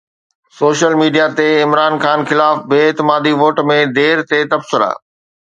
social media تي عمران خان خلاف بي اعتمادي ووٽ ۾ دير تي تبصرا